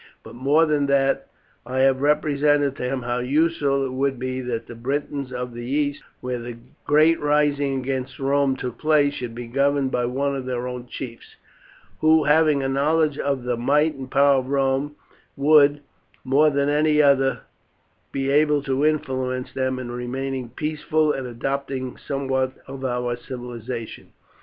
But more than that, I have represented to him how useful it would be that the Britons of the east, where the great rising against Rome took place, should be governed by one of their own chiefs, who, having a knowledge of the might and power of Rome, would, more than any other, be able to influence them in remaining peaceful and adopting somewhat of our civilization.